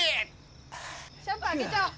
シャンパン開けちゃおう。